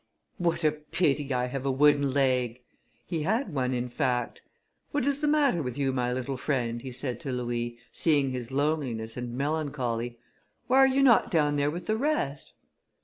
"What a pity I have a wooden leg!" He had one, in fact. "What is the matter with you, my little friend," he said to Louis, seeing his loneliness and melancholy. "Why are you not down there with the rest?"